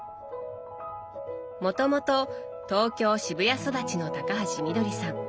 もともと東京渋谷育ちの高橋みどりさん。